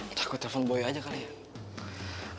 entah gue telepon boy aja kali yah